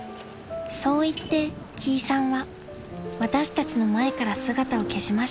［そう言ってきいさんは私たちの前から姿を消しました］